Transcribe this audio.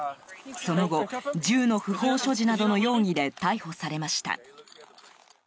その後、銃の不法所持などの容疑で逮捕されました。